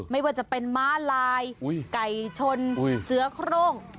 ไม่ว่าจะเป็นม้าลายไก่ชนเสือโครง